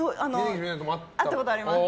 会ったことあります？